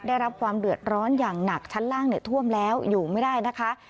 ได้รับความเดือดร้อนอย่างหนักชั้นล่างท่วมแล้วอยู่ไม่ได้นะคะ